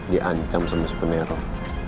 diancam sama sepeneror